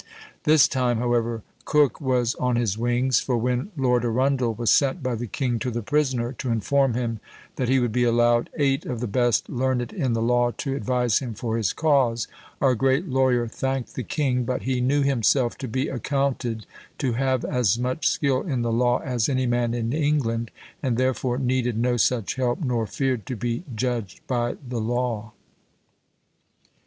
This time, however, Coke was "on his wings;" for when Lord Arundel was sent by the king to the prisoner, to inform him that he would be allowed "Eight of the best learned in the law to advise him for his cause," our great lawyer thanked the king, "but he knew himself to be accounted to have as much skill in the law as any man in England, and therefore needed no such help, nor feared to be judged by the law."